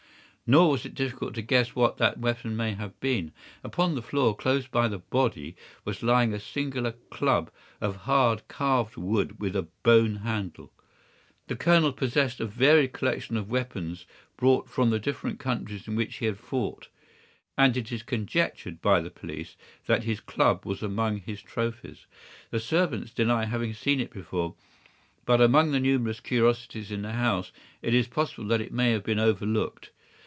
Nor was it difficult to guess what that weapon may have been. Upon the floor, close to the body, was lying a singular club of hard carved wood with a bone handle. The Colonel possessed a varied collection of weapons brought from the different countries in which he had fought, and it is conjectured by the police that his club was among his trophies. The servants deny having seen it before, but among the numerous curiosities in the house it is possible that it may have been overlooked.